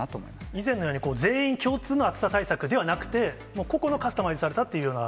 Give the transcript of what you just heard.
以前のように、全員共通の暑さ対策ではなくて、ここのカスタマイズされたっていうような。